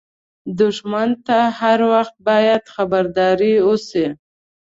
دښمن ته هر وخت باید خبردار اوسې